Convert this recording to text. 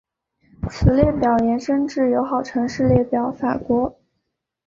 此列表延伸至友好城市列表法国。